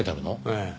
ええ。